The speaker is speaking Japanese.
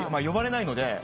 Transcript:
呼ばれないので。